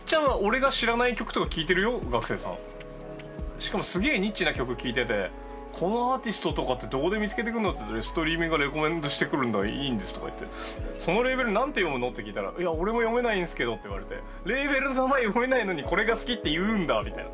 しかもすげえニッチな曲聴いてて「このアーティストとかってどこで見つけてくるの？」って「いいんです」とか言って「そのレーベル何て読むの？」って聞いたら「いや俺も読めないんすけど」って言われてレーベルの名前読めないのにこれが好きって言うんだみたいな。